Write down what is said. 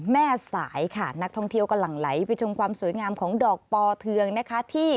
แม่สายค่ะนักท่องเที่ยวก็หลั่งไหลไปชมความสวยงามของดอกปอเทืองนะคะที่